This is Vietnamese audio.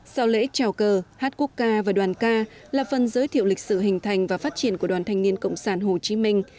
sau lễ trào cờ hát quốc ca và đoàn ca là phần giới thiệu lịch sử hình thành và phát triển của đoàn thanh niên cộng sản hồ chí minh